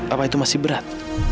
apa itu masih berat